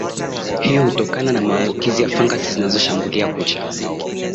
hii hutokana na maambukizi ya fangasi zinazoshambulia kucha